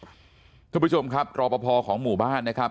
สวัสดีคุณผู้ชมครับตรปภของหมู่บ้านนะครับ